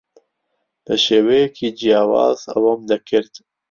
بە شێوەیەکی جیاواز ئەوەم دەکرد.